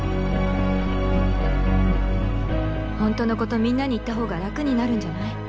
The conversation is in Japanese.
本当のことみんなに言った方が楽になるんじゃない？